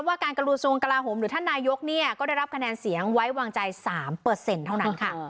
ว่าการกระลูกศูนย์กระลาฮมหรือท่านนายกเนี่ยก็ได้รับคะแนนเสียงไว้วางใจสามเปอร์เซ็นต์เท่านั้นค่ะ